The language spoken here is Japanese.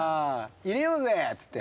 「入れようぜ」つって。